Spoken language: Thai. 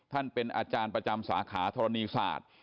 ท่านเป็นอาจารย์ประจำสาขาธรณีศาสตร์